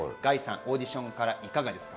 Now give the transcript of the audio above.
オーディションからいかがですか？